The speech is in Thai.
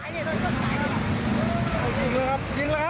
ยิงแล้วครับหนึ่งปั้ง